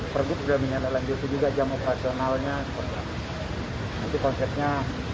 pergub jaminan lalu juga jam operasionalnya itu konsepnya